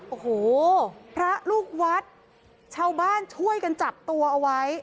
โอ้โหพระลูกวัดชาวบ้านช่วยกันจับตัวเอาไว้